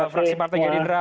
fraksi partai jadidra